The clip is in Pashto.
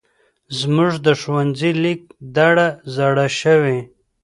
زمونږ د ښونځې لېک دړه زاړه شوی.